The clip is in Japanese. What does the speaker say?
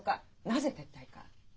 「なぜ撤退か」。